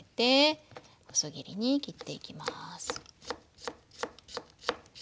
細切りに切っていきます。